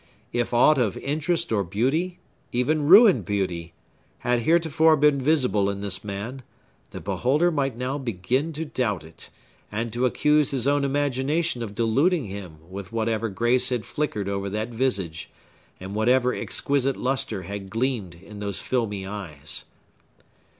If aught of interest or beauty—even ruined beauty—had heretofore been visible in this man, the beholder might now begin to doubt it, and to accuse his own imagination of deluding him with whatever grace had flickered over that visage, and whatever exquisite lustre had gleamed in those filmy eyes.